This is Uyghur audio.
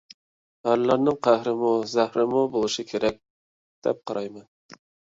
«ئەرلەرنىڭ قەھرىمۇ، زەھىرىمۇ بولۇشى كېرەك» دەپ قارايمەن.